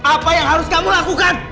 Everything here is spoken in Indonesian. apa yang harus kamu lakukan